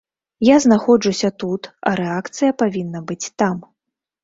Я знаходжуся тут, а рэакцыя павінна быць там.